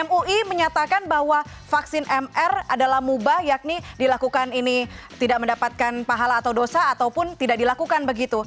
mui menyatakan bahwa vaksin mr adalah mubah yakni dilakukan ini tidak mendapatkan pahala atau dosa ataupun tidak dilakukan begitu